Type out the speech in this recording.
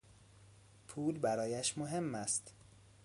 پول برایش مهم است.